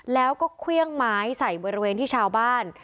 แล้วก็เครื่องไม้ใส่บริเวณที่ชาวบ้าน